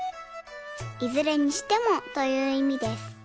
「いずれにしても」といういみです。